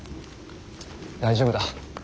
大丈夫だ。